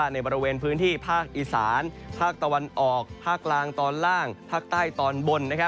ในบริเวณพื้นที่ภาคอีสานภาคตะวันออกภาคล่างตอนล่างภาคใต้ตอนบน